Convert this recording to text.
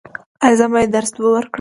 ایا زه باید درس ورکړم؟